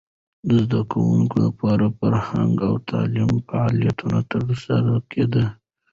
د زده کوونکو لپاره فرهنګي او تعلیمي فعالیتونه ترسره کېدل.